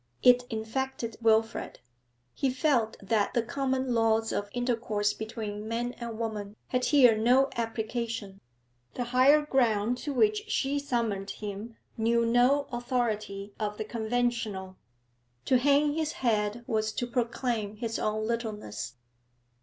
It infected Wilfrid. He felt that the common laws of intercourse between man and woman had here no application; the higher ground to which she summoned him knew no authority of the conventional. To hang his head was to proclaim his own littleness.